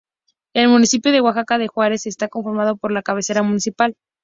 El Municipio de Oaxaca de Juárez, está conformado por la Cabecera Municipal.